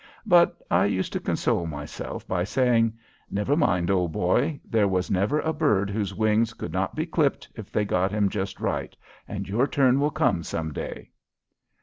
But I used to console myself by saying, "Never mind, old boy; there was never a bird whose wings could not be clipped if they got him just right, and your turn will come some day."